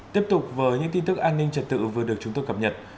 tiếp tục với những tin tức an ninh trật tự vừa được chúng tôi cập nhật